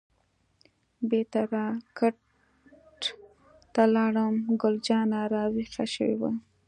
بیرته را کټ ته لاړم، ګل جانه راویښه شوې وه.